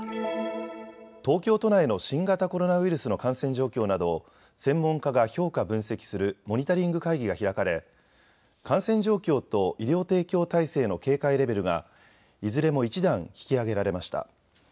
東京都内の新型コロナウイルスの感染状況などを専門家が評価・分析するモニタリング会議が開かれ、感染状況と医療提供体制の警戒レベルがいずれも１段引き上げられました。